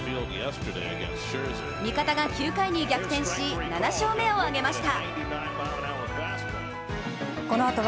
味方が９回に逆転し、７勝目を挙げました。